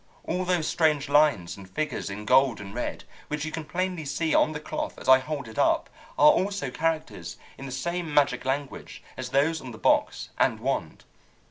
All those strange lines and figures in gold and red, which you can plainly see on the cloth as I hold it up, are also characters in the same magic language as those on the box and wand.